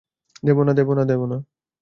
দেবো না, দেবো না, দেবো না!